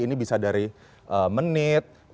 ini bisa dari menit